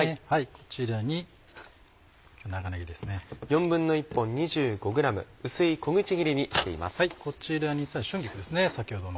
こちらに春菊ですね先ほどの。